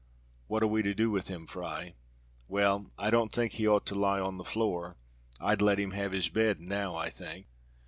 "What are we to do with him, Fry?" "Well, I don't think he ought to lie on the floor. I'd let him have his bed now, I think."